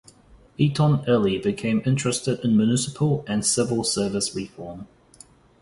Eaton early became interested in municipal and civil service reform.